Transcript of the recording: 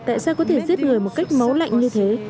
tại sao có thể giết người một cách máu lạnh như thế